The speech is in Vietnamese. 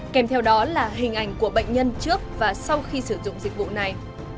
kèm theo đó là hình ảnh của bệnh nhân trước và sau khi sử dụng dịch vụ này